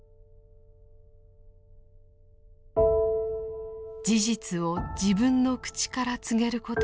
事実を自分の口から告げることになるのか。